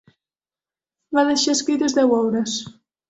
Va deixar escrites deu obres.